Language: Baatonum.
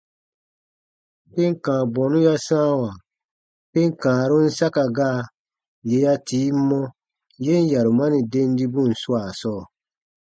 Tem kãa bɔnu ya sãawa tem kãarun saka gaa yè ya tii mɔ yen yarumani dendibun swaa sɔɔ.